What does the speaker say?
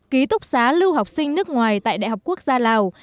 ký túc xá lưu học sinh nước ngoài tại đại học quốc gia lào